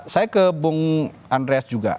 saya ke bung andreas juga